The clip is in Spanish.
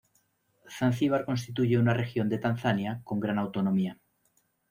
Zanzíbar constituye una región de Tanzania con gran autonomía.